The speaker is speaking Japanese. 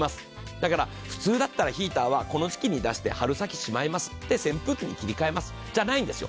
だから普通だったらヒーターはこの時期に出して春先しまいます、扇風機に切り替えます、じゃないんですよ。